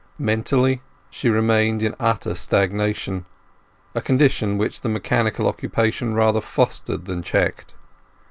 Mentally she remained in utter stagnation, a condition which the mechanical occupation rather fostered than checked.